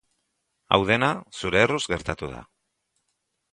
Hau dena zure erruz gertatu da.